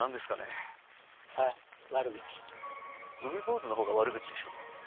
海坊主のほうが悪口でしょ。